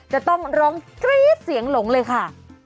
จะต้องร้องกรี๊ดเสียงหลงเลยค่ะ